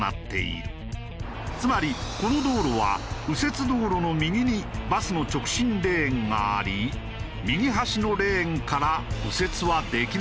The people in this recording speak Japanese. つまりこの道路は右折道路の右にバスの直進レーンがあり右端のレーンから右折はできないのだ。